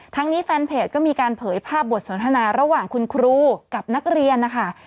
นี้แฟนเพจก็มีการเผยภาพบทสนทนาระหว่างคุณครูกับนักเรียนนะคะ